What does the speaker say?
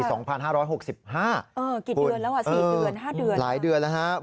เออกี่เดือนแล้วสี่เดือนห้าเดือนหลายเดือนแล้วนะครับ